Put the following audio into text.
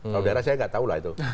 kalau daerah saya nggak tahu lah itu